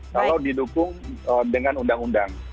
kalau didukung dengan undang undang